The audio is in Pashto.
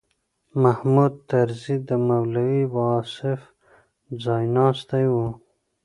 محمود طرزي د مولوي واصف ځایناستی و.